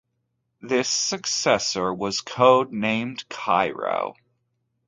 This successor was codenamed Cairo.